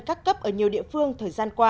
các cấp ở nhiều địa phương thời gian qua